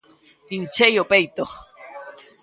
Inchei o peito.